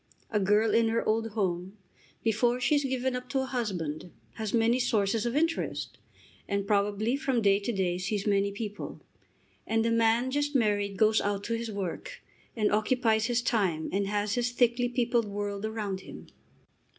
A girl in her old home, before she is given up to a husband, has many sources of interest, and probably from day to day sees many people. And the man just married goes out to his work, and occupies his time, and has his thickly peopled world around him.